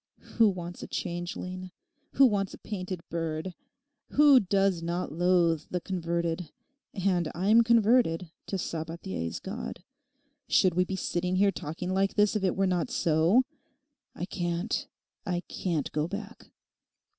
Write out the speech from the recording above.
Who wants a changeling? Who wants a painted bird? Who does not loathe the converted?—and I'm converted to Sabathier's God. Should we be sitting here talking like this if it were not so? I can't, I can't go back.